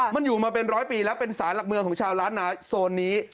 มันอยู่มาเป็นร้อยปีแล้วเป็นสารหลักเมืองของชาวล้านนาโซนนี้